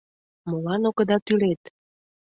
— Молан огыда тӱред?